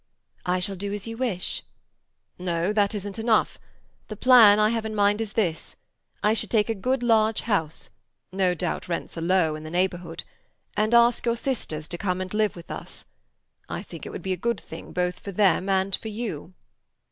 "I shall do as you wish." "No, that isn't enough. The plan I have in mind is this. I should take a good large house—no doubt rents are low in the neighbourhood—and ask your sisters to come and live with us. I think it would be a good thing both for them and for you."